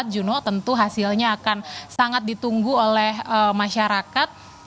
empat juno tentu hasilnya akan sangat ditunggu oleh masyarakat